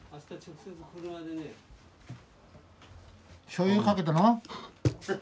しょうゆかけたの？